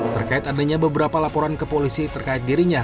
terkait adanya beberapa laporan ke polisi terkait dirinya